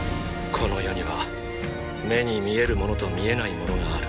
この世には目に見えるものと見えないものがある。